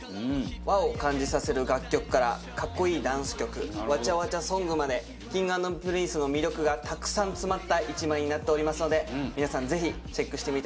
和を感じさせる楽曲から格好いいダンス曲わちゃわちゃソングまでＫｉｎｇ＆Ｐｒｉｎｃｅの魅力がたくさん詰まった一枚になっておりますので皆さんぜひチェックしてみてください。